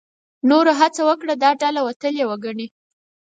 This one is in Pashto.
نورو هڅه وکړه دا ډله وتلې وګڼي.